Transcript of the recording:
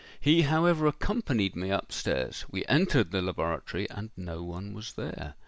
He however accompanied me up stairs: we entered the laboratory, and no one was there.